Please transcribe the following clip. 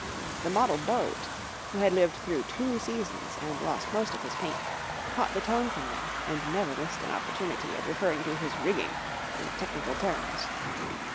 The model boat, who had lived through two seasons and lost most of his paint, caught the tone from them and never missed an opportunity of referring to his rigging in technical terms.